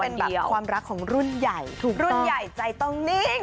เขาบอกว่าเป็นความรักของรุ่นใหญ่รุ่นใหญ่ใจต้องนิ่ง